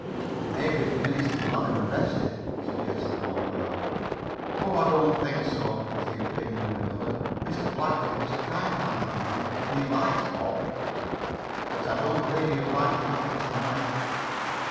"Maybe the minister will have him arrested," suggested one girl. "Oh, I don't think so," was the opinion of another. "Mr. Blackton is a kind hearted man, and he likes Bob." "But I don't believe he'll like him after tonight."